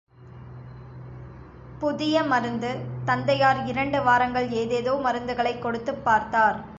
புதிய மருந்து தந்தையார் இரண்டு வாரங்கள் ஏதேதோ மருந்துகளைக் கொடுத்துப் பார்த்தார்.